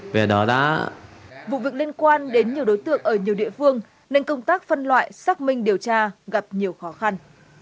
vụ việc liên quan đến nhiều đối tượng ở nhiều địa phương nên công tác phân loại xác minh điều tra gặp nhiều khó khăn